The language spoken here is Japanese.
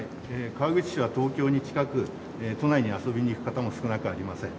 川口市は東京に近く、都内に遊びに行く方も少なくありません。